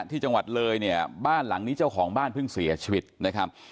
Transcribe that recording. ที่จังหวัดเลยเนี่ยบ้านหลังนี้เจ้าของบ้านเพิ่งเสียชีวิตนะครับ